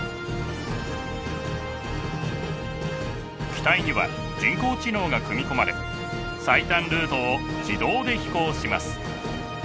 機体には人工知能が組み込まれ最短ルートを自動で飛行します。